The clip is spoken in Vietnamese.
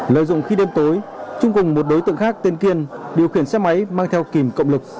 lợi dụng khi đêm tối trung cùng một đối tượng khác tên kiên điều khiển xe máy mang theo kìm cộng lực